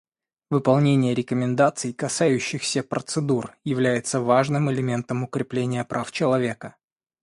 Выполнение рекомендаций, касающихся процедур, является важным элементом укрепления прав человека.